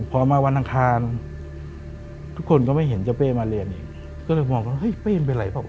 พอมาวันอังคารทุกคนก็ไม่เห็นเจ้าเป้มาเรียนอีกก็เลยมองว่าเฮ้ยเป้มันเป็นไรเปล่า